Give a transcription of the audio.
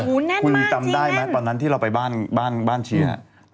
โอ้โหแน่นมากจริงแน่นคุณพิมพ์จำได้ไหมตอนนั้นที่เราไปบ้านชีวิต